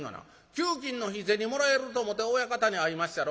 給金の日銭もらえると思て親方に会いまっしゃろ。